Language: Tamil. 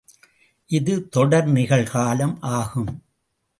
இது தொடர் நிகழ்காலம் ஆகும்.